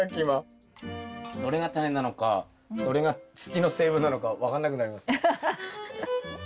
どれがタネなのかどれが土の成分なのか分かんなくなりますね。